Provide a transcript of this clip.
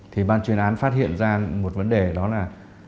thì ban chuyên án phát hiện ra một vấn đề đó là